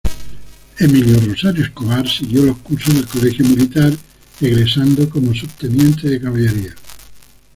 Emilio Rosario Escobar siguió los cursos del Colegio Militar, egresando como subteniente de caballería.